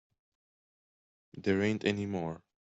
There ain't any more.